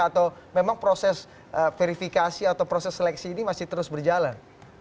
atau memang proses verifikasi atau proses seleksi ini masih terus berjalan